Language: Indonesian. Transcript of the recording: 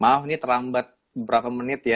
maaf ini terlambat beberapa menit ya